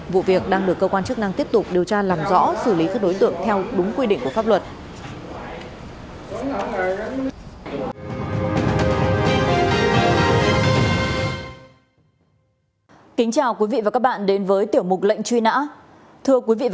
vụ việc đang được cơ quan chức năng tiếp tục điều tra làm rõ xử lý các đối tượng theo đúng quy định của pháp luật